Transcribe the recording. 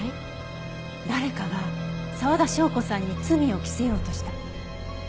誰かが沢田紹子さんに罪を着せようとした。